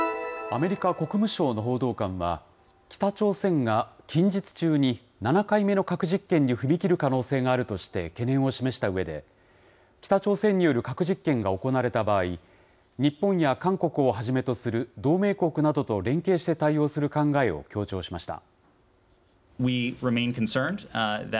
アメリカ国務省の報道官は、北朝鮮が近日中に７回目の核実験に踏み切る可能性があるとして、懸念を示したうえで、北朝鮮による核実験が行われた場合、日本や韓国をはじめとする同盟国などと連携して対応する考えを強調しました。